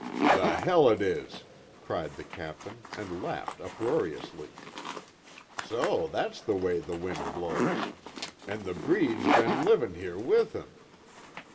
"The hell it is!" cried the Captain, and laughed uproariously. "So that's the way the wind blows! An' the breed's be'n livin' here with him!